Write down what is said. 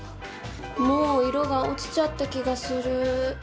もう色が落ちちゃった気がする。